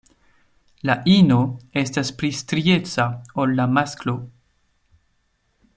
La ino estas pli strieca ol la masklo.